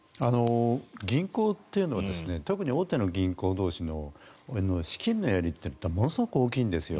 銀行というのは特に大手の銀行同士の資金のやり取りってものすごく大きいんですよ。